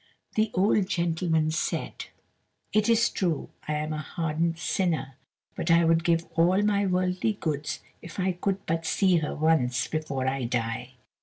The old gentleman said: "It is true; I am a hardened sinner. But I would give all my worldly goods if I could but see her once before I die."